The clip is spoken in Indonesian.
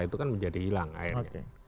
itu kan menjadi hilang akhirnya